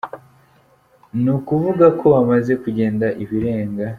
Ni ukuvuga ko bamaze kugenda ibirenga .